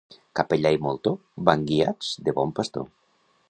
Capellà i moltó van guiats de bon pastor.